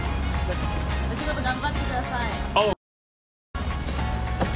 お仕事頑張ってください。